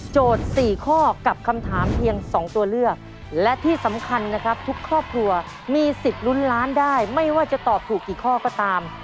๔ข้อกับคำถามเพียง๒ตัวเลือกและที่สำคัญนะครับทุกครอบครัวมีสิทธิ์ลุ้นล้านได้ไม่ว่าจะตอบถูกกี่ข้อก็ตาม